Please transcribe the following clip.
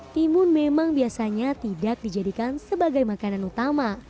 timun memang biasanya tidak dijadikan sebagai makanan utama